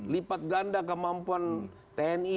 lipat ganda kemampuan tni